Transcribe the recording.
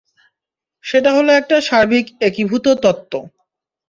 সেটা হলো একটা সার্বিক একীভূত তত্ত্ব।